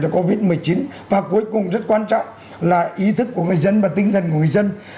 là covid một mươi chín và cuối cùng rất quan trọng là ý thức của người dân và tinh thần của người dân